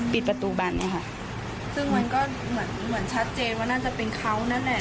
ปิดประตูแบบนี้ค่ะซึ่งมันก็เหมือนเหมือนชัดเจนว่าน่าจะเป็นเขานั่นแหละ